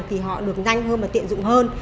thì họ được nhanh hơn và tiện dụng hơn